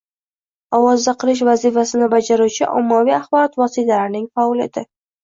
ovoza qilish vazifasini bajaruvchi Ommaviy axborot vositalarining faoliyati